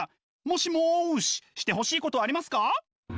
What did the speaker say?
もしもししてほしいことありますか？